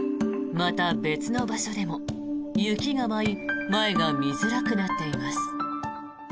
また、別の場所でも、雪が舞い前が見づらくなっています。